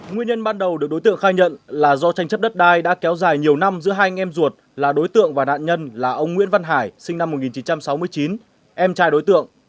nguyên nhân ban đầu được đối tượng khai nhận là do tranh chấp đất đai đã kéo dài nhiều năm giữa hai anh em ruột là đối tượng và nạn nhân là ông nguyễn văn hải sinh năm một nghìn chín trăm sáu mươi chín em trai đối tượng